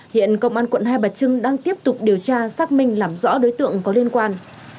hiện công an quận hai bà trưng đang tiếp tục điều tra xác minh làm rõ đối tượng có liên quan